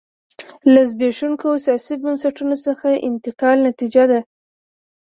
له زبېښونکو سیاسي بنسټونو څخه انتقال نتیجه ده.